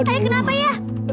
ayah kenapa ya